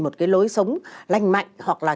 một cái lối sống lành mạnh hoặc là